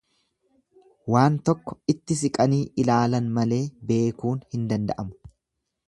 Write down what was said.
Waan tokko itti siqanii ilaalan malee beekuun hin danda'amu.